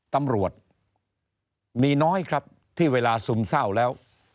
ตำรวจมีน้อยครับที่เวลาซึมเศร้าแล้ว